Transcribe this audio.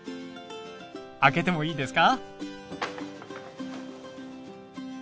開けてもいいですか？